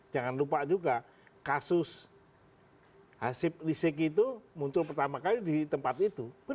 jangan lupa juga kasus hasib rizieq itu muncul pertama kali di tempat itu